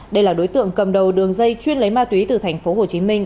đây là đối tượng cầm đầu đường dây chuyên lấy ma túy từ thành phố hồ chí minh